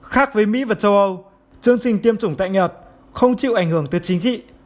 khác với mỹ và châu âu chương trình tiêm chủng tại nhật không chịu ảnh hưởng tới chính trị